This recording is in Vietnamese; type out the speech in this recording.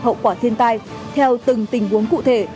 hậu quả thiên tai theo từng tình huống cụ thể